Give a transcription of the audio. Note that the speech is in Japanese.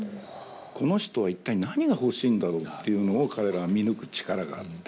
この人は一体何が欲しいんだろうというのを彼らは見抜く力があって。